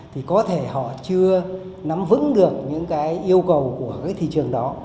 thì có thể họ chưa nắm vững được những yêu cầu của các thị trường đó